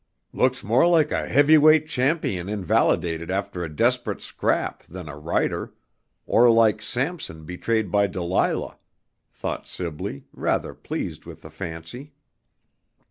"Looks more like a heavy weight champion invalided after a desperate scrap, than a writer; or like Samson betrayed by Delilah," thought Sibley, rather pleased with the fancy.